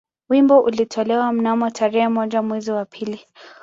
Wimbo ulitolewa mnamo tarehe moja mwezi wa pili